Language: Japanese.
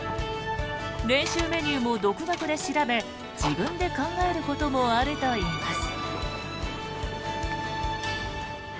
練習メニューも独学で調べ自分で考えることもあるといいます。